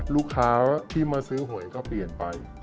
ลูกค้าที่มาซื้อหวยก็เปลี่ยนไป